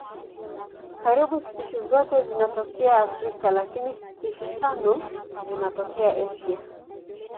Karibu spishi zote zinatokea Afrika lakini spishi tano zinatokea Asia.